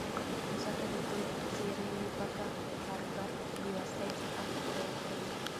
نو ځکه د دوي څېرې له فقر، غربت ، بېوسي، څخه حکايت کوي.